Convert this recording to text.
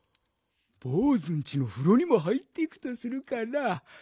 ぼうずんちのふろにも入っていくとするかな？